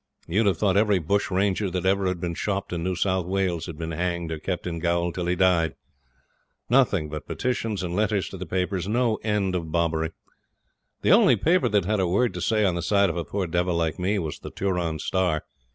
You'd have thought every bush ranger that ever had been shopped in New South Wales had been hanged or kept in gaol till he died; nothing but petitions and letters to the papers; no end of bobbery. The only paper that had a word to say on the side of a poor devil like me was the 'Turon Star'.